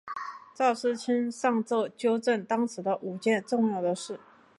赵世卿上奏纠正当时的五件重要的事。